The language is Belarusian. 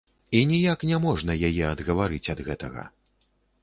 І ніяк не можна яе адгаварыць ад гэтага.